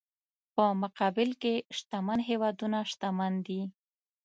په مقابل کې شتمن هېوادونه شتمن دي.